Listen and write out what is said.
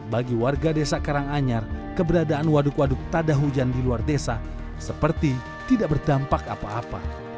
bagi warga desa karanganyar keberadaan waduk waduk tada hujan di luar desa seperti tidak berdampak apa apa